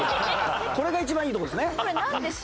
これが一番いいところですね。